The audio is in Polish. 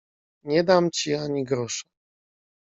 "Nie dam ci ani grosza."